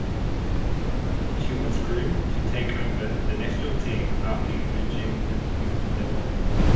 She was groomed to take over the national team after emerging in youth level.